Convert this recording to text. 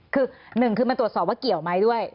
คือหนึ่งคือมันตรวจสอบว่าเกี่ยวไหมด้วย